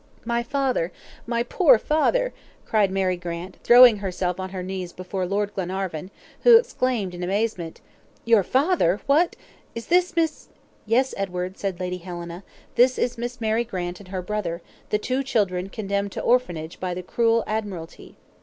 "My father! my poor father!" cried Mary Grant, throwing herself on her knees before Lord Glenarvan, who exclaimed in amazement: "Your father? What? Is this Miss " "Yes, Edward," said Lady Helena; "this is Miss Mary Grant and her brother, the two children condemned to orphanage by the cruel Admiralty!"